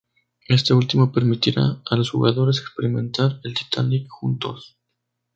Este último permitirá a los jugadores experimentar el Titanic juntos.